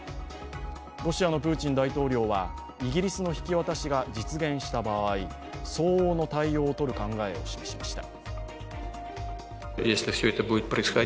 ロシアのプーチン大統領は、イギリスの引き渡しが実現した場合相応の対応をとる考えを示しました。